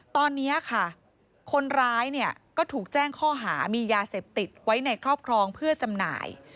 ตอนนี้ค่ะคนร้ายเนี่ยก็ถูกแจ้งข้อหามียาเสพติดไว้ในครอบครองเพื่อจำหน่าย